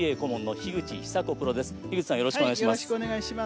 樋口さん、よろしくお願いします。